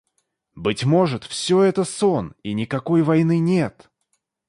«Быть может, все это сон и никакой войны нет?